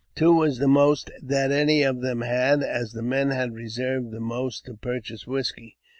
Two was the most that any of them had, as the men had reserved the most to pur ^ chase whisky.